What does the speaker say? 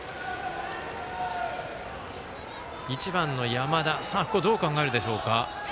１番の山田、ここはどう考えるでしょうか。